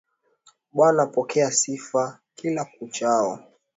Bwana pokea sifa kila kuchao.